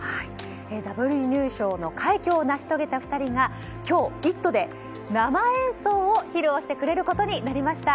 ダブル入賞の快挙を成し遂げた２人が今日、「イット！」で生演奏を披露してくれることになりました。